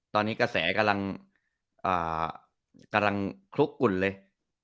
ตอนนี้กระแสกำลังคลุกกุ่นเลย